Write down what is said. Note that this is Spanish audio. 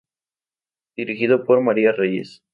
Dirigido por María Reyes.